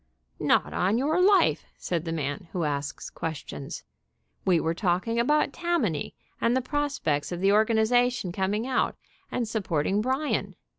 "Not on your life," said the man who asks ques tions. "We were talking about Tammany, and the prospects of the organization coming out and sup porting Bryan.